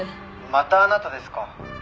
「またあなたですか」